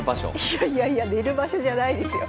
いやいやいや寝る場所じゃないですよ。